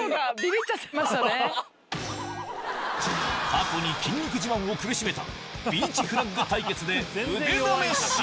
過去に筋肉自慢を苦しめたビーチフラッグ対決で腕試し！